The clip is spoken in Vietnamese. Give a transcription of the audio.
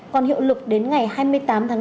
còn hiệu lực đến ngày hai mươi tám tháng năm